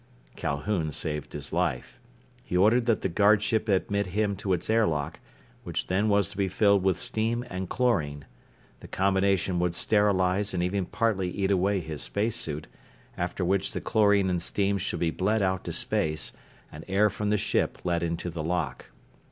Calhoun saved his life. He ordered that the guardship admit him to its airlock, which then was to be filled with steam and chlorine. The combination would sterilize and even partly eat away his spacesuit, after which the chlorine and steam should be bled out to space, and air from the ship let into the lock.